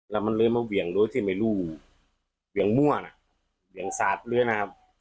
แล้วมันเลยมาเหวี่ยงโดยที่ไม่รู้เหวี่ยงมั่วน่ะเหวี่ยงสัตว์เลยนะครับ